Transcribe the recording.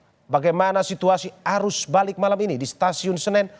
bagaimana situasi arus balik malam ini di stasiun senen